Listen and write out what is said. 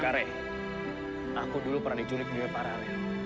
kare aku dulu pernah diculik di dunia pararel